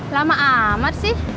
lama amat sih